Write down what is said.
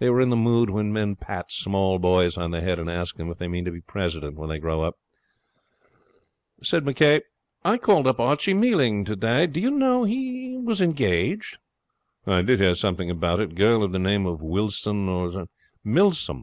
They were in the mood when men pat small boys on the head and ask them if they mean to be President when they grow up. 'I called up Archie Mealing today,' said McCay. 'Did you know he was engaged?' 'I did hear something about it. Girl of the name of Wilson, or ' 'Milsom.